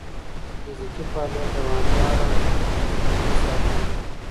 فزیکي فعالیت دوامداره وساتئ.